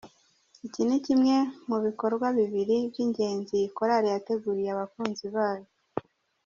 Iki ni kimwe mu bikorwa bibiri by’ingenzi iyi Korali yateguriye abakunzi bayo.